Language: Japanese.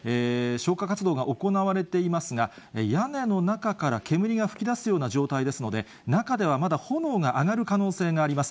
消火活動が行われていますが、屋根の中から煙が噴き出すような状態ですので、中ではまだ炎が上がる可能性があります。